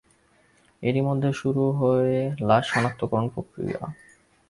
এরই মধ্যে শুরু হয়ে লাশ শনাক্তকরণ প্রক্রিয়া।